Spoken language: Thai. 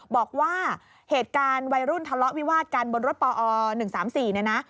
บอกว่าเหตุการณ์วัยรุ่นทะเลาะวิวาดกันบนรถปอ๑๓๔เนี่ยนะ